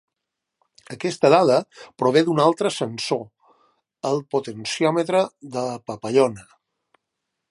Aquesta dada prové d'un altre sensor, el potenciòmetre de papallona.